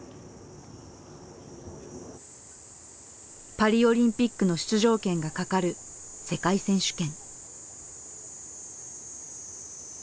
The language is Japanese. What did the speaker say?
パリオリンピックの出場権がかかる世界選手権。